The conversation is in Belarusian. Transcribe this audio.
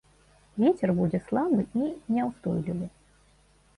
Вецер будзе слабы і няўстойлівы.